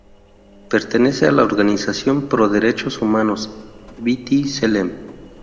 Pertenece a la organización pro-derechos humanos B'Tselem.